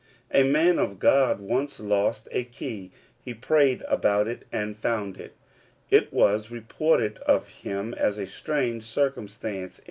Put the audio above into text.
A man of God once lost a key : he prayed about it, and found it. It was reported of him as a strange circumstance.